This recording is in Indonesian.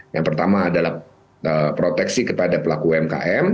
yang pertama adalah proteksi kepada pelaku umkm